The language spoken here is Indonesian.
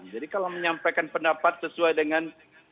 jadi kalau menyampaikan pendapat sesuai dengan